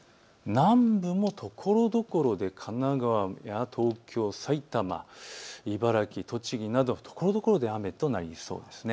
南部もところどころで神奈川や東京、埼玉、茨城、栃木などところどころで雨となりそうです。